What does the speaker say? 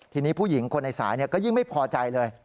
ทีนี้ผู้หญิงคนในสายก็ยิ่งไม่พอใจเลย